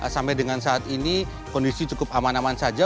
sampai dengan saat ini kondisi cukup aman aman saja